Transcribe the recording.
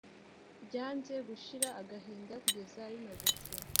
ryanze gushira agahinda kugeza rinogotse